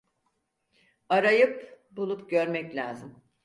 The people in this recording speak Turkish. Arayıp, bulup görmek lazım.